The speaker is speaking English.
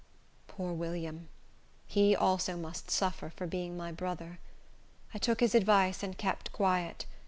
Poor William! He also must suffer for being my brother. I took his advice and kept quiet.